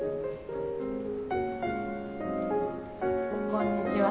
こんにちは。